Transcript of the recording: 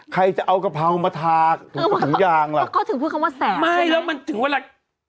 ใครจะเอากะเพรามาทากถุงยางล่ะก็ถึงเพื่อคำว่าแสบใช่ไหมไม่แล้วมันถึงว่าแหละ